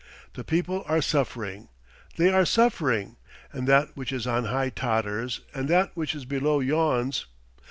The people are suffering they are suffering; and that which is on high totters, and that which is below yawns.